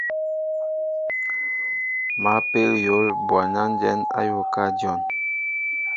Ma pél yǒl ɓɔwnanjɛn ayōōakɛ dyon.